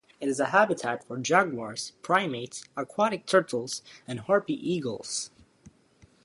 It is a habitat for jaguars, primates, aquatic turtles, and harpy eagles.